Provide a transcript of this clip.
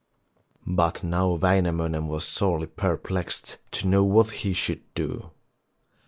But now Wainamoinen was sorely per plexed to know what he should do.